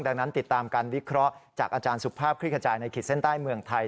ดังนั้นติดตามการวิเคราะห์จากอาจารย์สุภาพคลิกขจายในขีดเส้นใต้เมืองไทย